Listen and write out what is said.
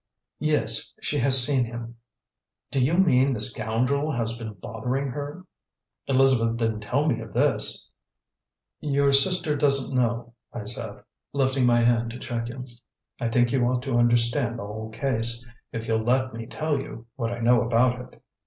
"Yes; she has seen him." "Do you mean the scoundrel has been bothering her? Elizabeth didn't tell me of this " "Your sister doesn't know," I said, lifting my hand to check him. "I think you ought to understand the whole case if you'll let me tell you what I know about it."